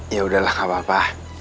yaudah lah gak apa apa